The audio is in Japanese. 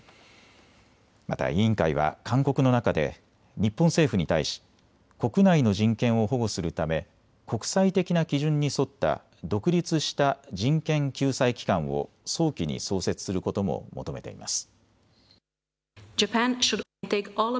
また委員会は勧告の中で日本政府に対し国内の人権を保護するため国際的な基準に沿った独立した人権救済機関を早期に創設することも求めています。